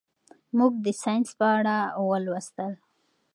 موږ د ساینس په اړه ولوستل.